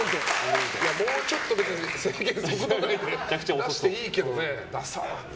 もうちょっと出していいけどね。